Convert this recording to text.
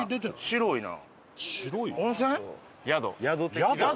白いな。